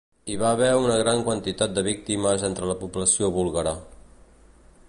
Hi va haver una gran quantitat de víctimes entre la població búlgara.